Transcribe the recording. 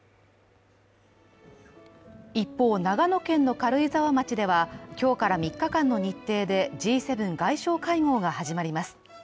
一方、長野県の軽井沢町では今日から３日間の日程でＧ７外相会合が始まります。